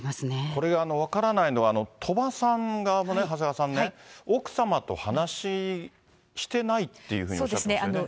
これ、分からないのは、鳥羽さん側もね、長谷川さんね、奥様と話してないっていうふうにおっしゃってますよね。